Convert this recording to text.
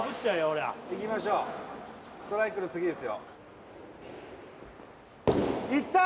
俺はいきましょうストライクの次ですよいった！